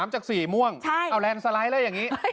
๓จาก๔ม่วงใช่เอาเล็นฟ์สไลด์ไล่อย่างนี้